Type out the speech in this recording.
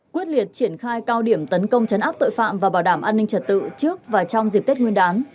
quyết liệt triển khai cao điểm tấn công chấn áp tội phạm và bảo đảm an ninh trật tự trước và trong dịp tết nguyên đán